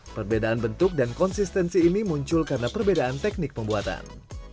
perbedaan bentuk dan konsistensi ini muncul karena perbedaan teknik pembuatan